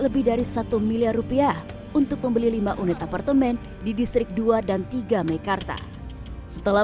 lebih dari satu miliar rupiah untuk pembeli lima unit apartemen di distrik dua dan tiga meikarta setelah